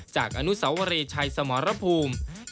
จากอนุสาวเรชัยสมรภูมิ